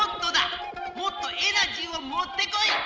もっとエナジーをもってこい！